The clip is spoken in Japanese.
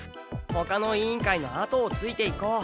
ほかの委員会のあとをついていこう。